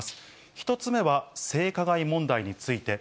１つ目は性加害問題について。